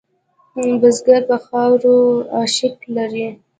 بزګر په خاوره عشق لري